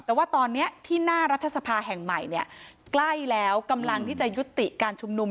แต่ว่าตอนนี้ที่หน้ารัฐสภาแห่งใหม่เนี่ยใกล้แล้วกำลังที่จะยุติการชุมนุม